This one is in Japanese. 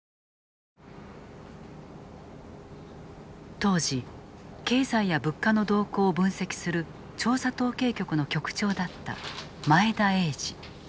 当時、経済や物価の動向を分析する調査統計局の局長だった前田栄治。